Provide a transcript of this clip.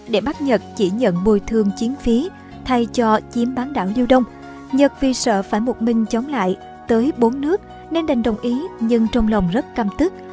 để bắt nhật chỉ nhận bồi thương chiến phí thay cho chiếm bán đảo liêu đông nhật vì sợ phải một mình chống lại tới bốn nước nên đành đồng ý nhưng trong lòng rất căm tức